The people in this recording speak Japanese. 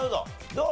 どう？